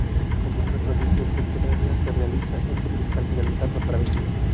Como una tradición centenaria se realiza un brindis al finalizar la travesía.